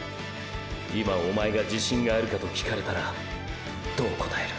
今おまえが自信があるかと聞かれたらどう答える？